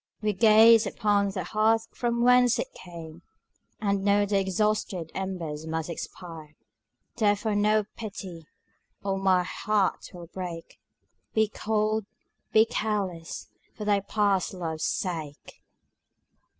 We gaze upon the hearth from whence it came, And know the exhausted embers must expire: Therefore no pity, or my heart will break; Be cold, be careless for thy past love's sake!